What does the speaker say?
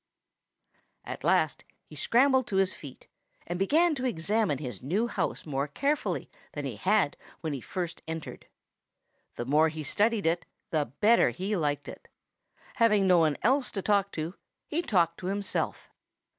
At last, he scrambled to his feet and began to examine his new house more carefully than he had when he first entered. The more he studied it, the better he liked it. Having no one else to talk to, he talked to himself.